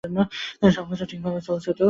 সবকিছু ঠিকভাবে চলছে তো?